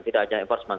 tidak hanya enforcement